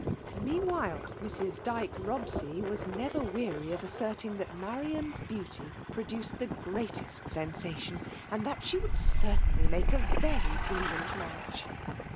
Meanwhile, Mrs. Dyke Robsey was never weary of asserting that Marian's beaut j pro* duced the greatest sensation, and that shd would certainly make a very brilliant match.